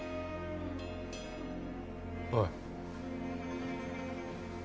おい